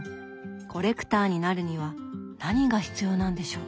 コレクターになるには何が必要なんでしょう？